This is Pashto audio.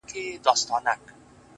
• د بوډا وو یو لمسی اته کلن وو,